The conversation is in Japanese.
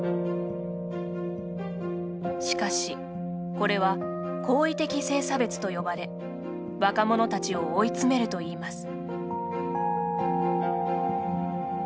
しかし、これは好意的性差別と呼ばれ若者たちを追い詰めるといいます。